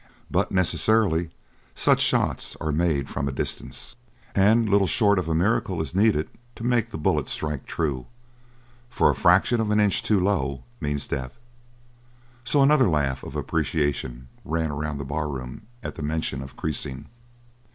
But necessarily such shots are made from a distance, and little short of a miracle is needed to make the bullet strike true for a fraction of an inch too low means death. So another laugh of appreciation ran around the barroom at the mention of creasing.